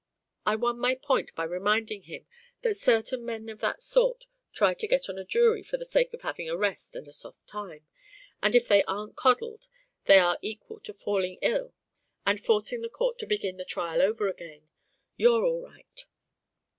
I won my point by reminding him that certain men of that sort try to get on a jury for the sake of having a rest and a soft time, and if they aren't coddled, they are equal to falling ill and forcing the court to begin the trial over again. You're all right."